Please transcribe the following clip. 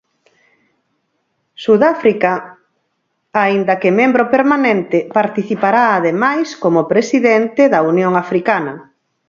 Sudáfrica, aínda que membro permanente, participará ademais como presidente da Unión Africana.